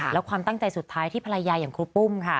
แล้วความตั้งใจสุดท้ายที่ภรรยาอย่างครูปุ้มค่ะ